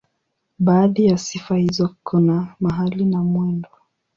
Baadhi ya sifa hizo kuna mahali na mwendo.